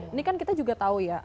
ini kan kita juga tahu ya